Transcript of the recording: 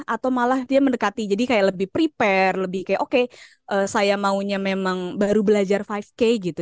atau malah dia mendekati jadi kayak lebih prepare lebih kayak oke saya maunya memang baru belajar lima k gitu